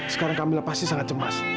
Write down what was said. sekarang kamilah pasti sangat cemas